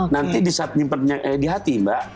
nanti di saat menyimpan di hati